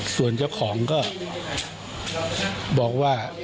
ส่วนเจ้าของก็บอกว่า